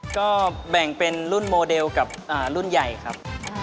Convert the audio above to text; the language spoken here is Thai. ก็แบ่งเป็นรุ่นโมเดลกับรุ่นใหญ่ครับ